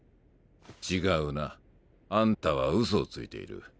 違うなあんたは嘘をついている。